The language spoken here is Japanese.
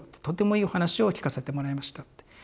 とてもいいお話を聴かせてもらいました」って。